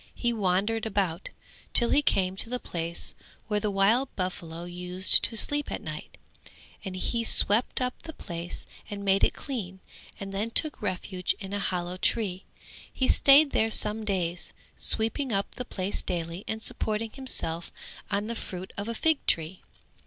He wandered about, till he came to the place where the wild buffaloes used to sleep at night, and he swept up the place and made it clean and then took refuge in a hollow tree; he stayed there some days, sweeping up the place daily and supporting himself on the fruit of a fig tree.